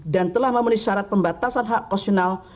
dan telah memenuhi syarat pembatasan hak konsional